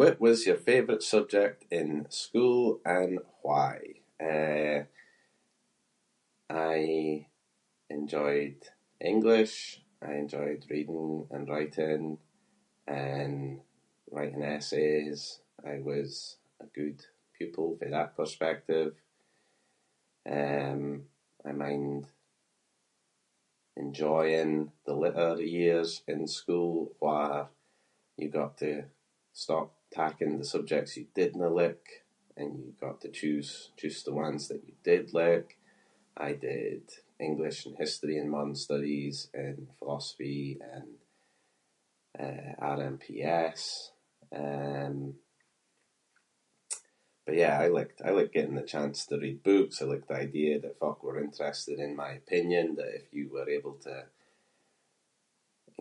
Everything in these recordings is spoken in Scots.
What was your favourite subject in school and why? Eh, I enjoyed English. I enjoyed reading and writing and writing essays. I was a good pupil fae that perspective. Um, I mind enjoying the [inc] years in school where you got to stop taking the subjects you didnae like and you got to choose just the ones that you did like. I did English and history and modern studies and philosophy and, eh, RMPS. Um, but yeah, I liked- I like getting the chance to read books. I liked the idea that folk were interested in my opinion- that if you were able to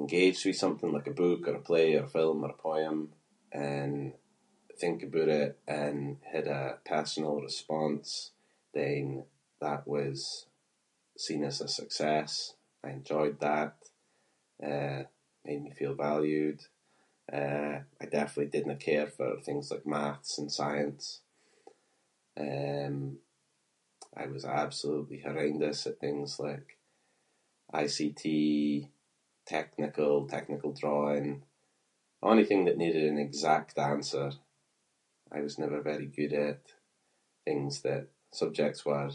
engage with something like a book or a play or a film or a poem and think aboot it and had a personal response, then that was seen as a success. I enjoyed that. Eh, made me feel valued. Eh, I definitely didnae care for things like maths and science. Um, I was absolutely horrendous at things like ICT, technical- technical drawing, onything that needed an exact answer I was never very good at. Things that- subjects where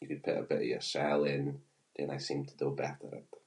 you could put a bit of yoursel in. Dem I seem to do better at.